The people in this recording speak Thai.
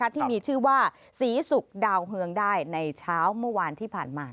ที่มีชื่อว่าศรีศุกร์ดาวเฮืองได้ในเช้าเมื่อวานที่ผ่านมา